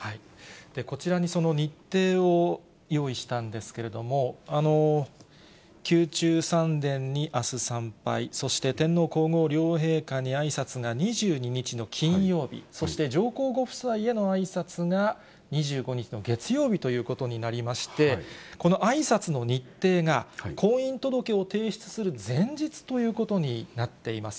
こちらにその日程を用意したんですけれども、宮中三殿にあす参拝、そして天皇皇后両陛下にあいさつが２２日の金曜日、そして上皇ご夫妻へのあいさつが２５日の月曜日ということになりまして、このあいさつの日程が、婚姻届を提出する前日ということになっています。